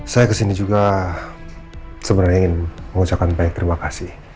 saya ke sini juga sebenarnya ingin mengucapkan terima kasih